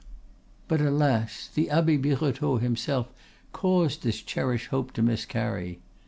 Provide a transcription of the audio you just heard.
But alas! the abbe Birotteau himself caused this cherished hope to miscarry.